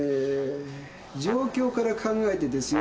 状況から考えてですよ